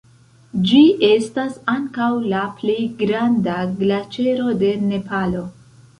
Ĝi estas ankaŭ la plej granda glaĉero de Nepalo.